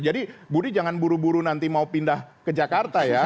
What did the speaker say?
budi jangan buru buru nanti mau pindah ke jakarta ya